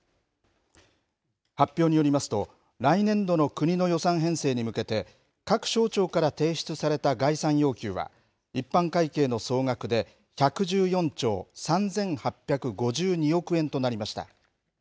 発表によりますと、来年度の国の予算編成に向けて、各省庁から提出された概算要求は、一般会計の総額で１１４兆３８５２億円となりました。